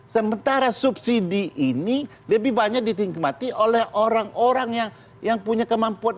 sementara subsidi ini lebih banyak dinikmati oleh orang orang yang punya kemampuan